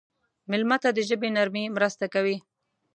مېلمه ته د ژبې نرمي مرسته کوي.